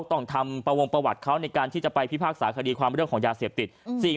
ต้องทำประวงประวัติเขาในการที่จะไปพิพากษาคดีความเรื่องของยาเสพติด